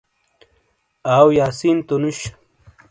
آؤ یاسین تو نُش؟